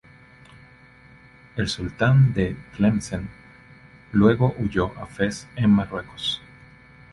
El sultán de Tlemcen luego huyó a Fez en Marruecos.